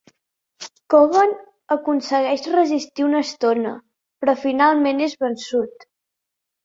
Coogan aconsegueix resistir una estona, però finalment és vençut.